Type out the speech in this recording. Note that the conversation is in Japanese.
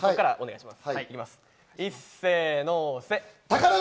お願いします。